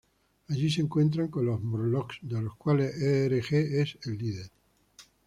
Allí, se encuentran con los Morlocks, de los cuales Erg es el líder.